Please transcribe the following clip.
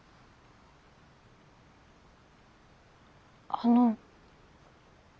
あの。